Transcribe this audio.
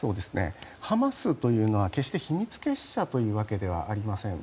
ハマスというのは決して秘密結社というわけではありません。